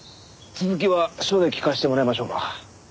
続きは署で聞かせてもらいましょうか。